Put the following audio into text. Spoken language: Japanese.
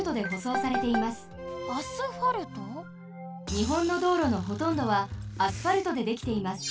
日本の道路のほとんどはアスファルトでできています。